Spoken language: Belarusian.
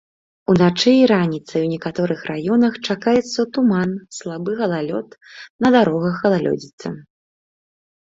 Уначы і раніцай у некаторых раёнах чакаецца туман, слабы галалёд, на дарогах галалёдзіца.